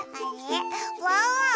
ワンワンは？